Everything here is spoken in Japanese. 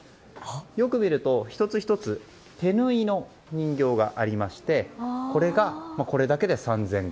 よく見ると、１つ１つ手縫いの人形がありましてこれだけで３０００個。